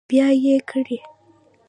بیان یې کړئ.